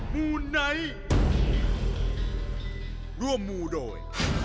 มูไนท์ร่วมมูโดย